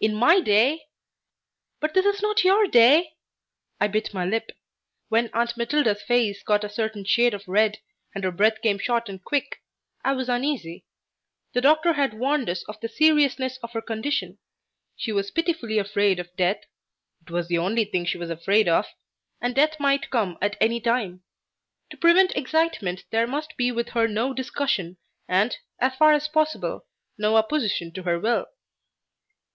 In my day " "But this is not your day!" I bit my lip. When Aunt Matilda's face got a certain shade of red and her breath became short and quick, I was uneasy. The doctor had warned us of the seriousness of her condition. She was pitifully afraid of death it was the only thing she was afraid of and death might come at any time. To prevent excitement there must be with her no discussion, and, as far as possible, no opposition to her will.